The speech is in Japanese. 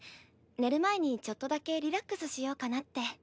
寝る前にちょっとだけリラックスしようかなって。